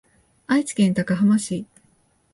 愛知県高浜市